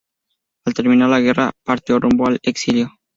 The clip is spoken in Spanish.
Al terminar la guerra, partió rumbo al exilio.